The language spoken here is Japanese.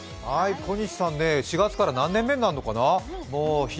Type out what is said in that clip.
小西さんは４月から何年目になるのかな？